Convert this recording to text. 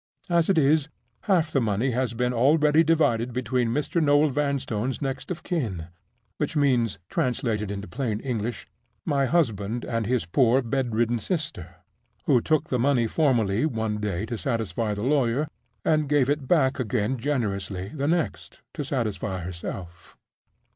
As it is, half the money has been already divided between Mr. Noel Vanstone's next of kin; which means, translated into plain English, my husband, and his poor bedridden sister—who took the money formally, one day, to satisfy the lawyer, and who gave it back again generously, the next, to satisfy herself.